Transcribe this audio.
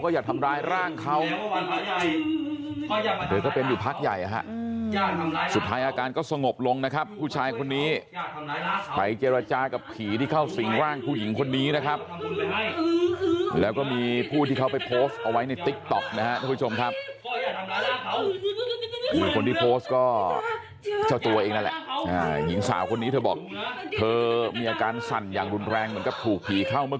ย่านทำร้ายล้างเขาอยู่กับเชื้อเขาจะทำร้ายล้างเขาเจจ่าเรื่องไม่ดูไหม